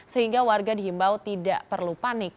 sehingga warga di himbau tidak perlu panik